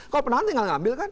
kalau penahan tinggal ngambil kan